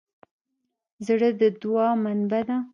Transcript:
زړه د دوعا منبع ده.